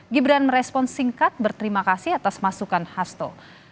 gibran merespon singkat berterima kasih atas masukan hasto